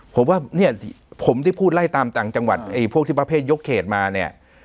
ผมว่าเนี่ยผมที่พูดไล่ตามต่างจังหวัดไอ้พวกที่ประเภทยกเขตมาเนี่ย